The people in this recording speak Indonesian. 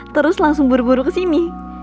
terus langsung buru buru kesini